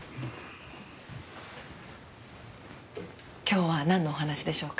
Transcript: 今日は何のお話でしょうか？